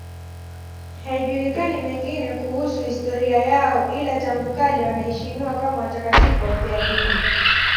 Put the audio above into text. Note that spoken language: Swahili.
Hayajulikani mengine kuhusu historia yao, ila tangu kale wanaheshimiwa kama watakatifu wafiadini.